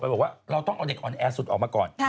บอกว่าเราต้องเอาเด็กอ่อนแอสุดออกมาก่อน